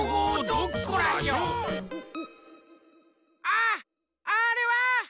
あっあれは！